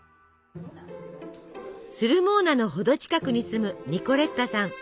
スルモーナの程近くに住むニコレッタさん。